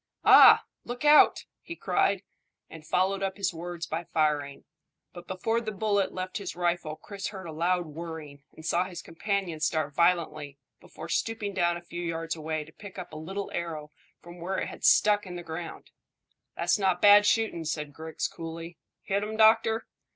"Ah, look out!" he cried, and followed up his words by firing; but before the bullet left his rifle Chris heard a loud whirring and saw his companion start violently before stooping down a few yards away to pick a little arrow from where it had stuck in the ground. "That's not bad shooting," said Griggs coolly. "Hit him, doctor?"